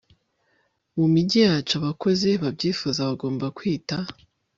Mu mijyi yacu abakozi babyifuza bagomba kwita